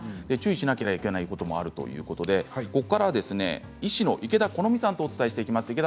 注意しなければいけないこともあるということで、ここからは医師の池田このみさんとお伝えしていきます。